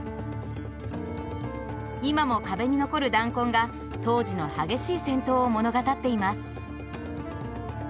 今も壁に残る弾痕が当時の激しい戦闘を物語っています。